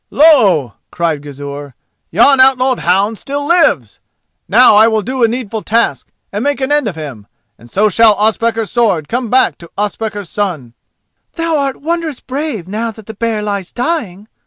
"Lo!" cried Gizur, "yon outlawed hound still lives! Now I will do a needful task and make an end of him, and so shall Ospakar's sword come back to Ospakar's son." "Thou art wondrous brave now that the bear lies dying!"